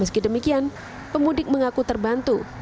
meski demikian pemudik mengaku terbantu